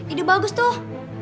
ide bagus tuh